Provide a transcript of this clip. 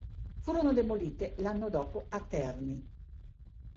Furono demolite l'anno dopo a Terni.